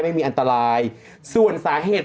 ไม่มีอันตรายส่วนสาเหตุ